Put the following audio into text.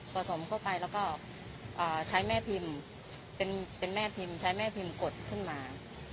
ผสมเข้าไปแล้วใช้แม่พิมพ์กดขึ้นมา